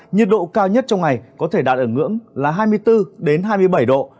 nhiệt độ cao nhất trong ngày có thể đạt ở ngưỡng là hai mươi bốn hai mươi bảy độ